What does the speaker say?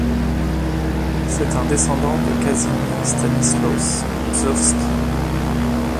C'est un descendant de Casimir Stanislaus Gzowski.